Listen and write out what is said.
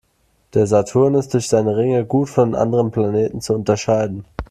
Der Saturn ist durch seine Ringe gut von den anderen Planeten zu unterscheiden.